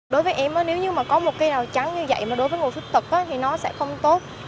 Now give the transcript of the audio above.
đối với em nếu như có một cái rào trắng như vậy mà đối với người khuyết tật thì nó sẽ không tốt